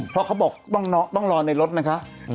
เพราะเขาบอกต้องรอในรถนะคะ